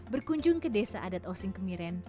berkunjung ke desa adat osing kemiren